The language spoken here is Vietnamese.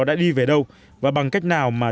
đã đi về đâu và bằng cách nào mà